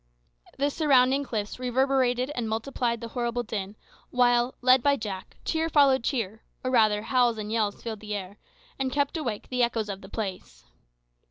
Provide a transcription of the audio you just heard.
The surrounding cliffs reverberated and multiplied the horrid din, while, led by Jack, cheer followed cheer, or rather howls and yells filled the air, and kept awake the echoes of the place.